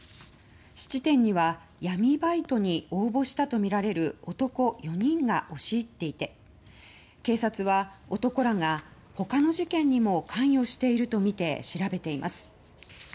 質店には闇バイトに応募したとみられる男４人が押し入っていて警察は男らが他の事件にも関与しているとみて調べています。